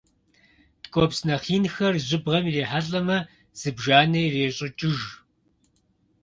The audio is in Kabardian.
Ткӏуэпс нэхъ инхэр жьыбгъэм ирихьэлӏэмэ, зыбжанэ ирещӏыкӏыж.